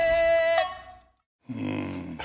うん